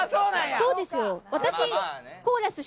そうですよ